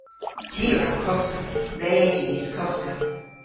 Ty a wra koska. Res yw dhis koska.